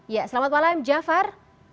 ya selamat malam jafar